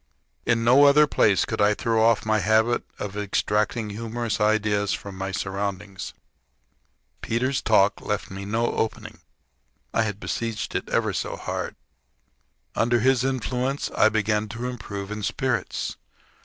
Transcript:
In no other place could I throw off my habit of extracting humorous ideas from my surroundings. Peter's talk left me no opening had I besieged it ever so hard. Under this influence I began to improve in spirits.